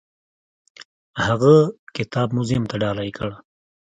هغه کتاب موزیم ته ډالۍ کړ.